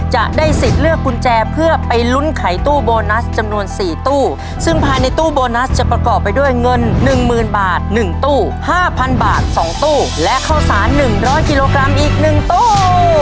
จะได้สิทธิ์เลือกกุญแจเพื่อไปลุ้นไขตู้โบนัสจำนวนสี่ตู้ซึ่งภายในตู้โบนัสจะประกอบไปด้วยเงินหนึ่งหมื่นบาทหนึ่งตู้ห้าพันบาทสองตู้และข้าวสาร๑๐๐กิโลกรัมอีกหนึ่งตู้